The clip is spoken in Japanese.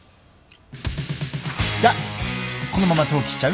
じゃこのまま登記しちゃう？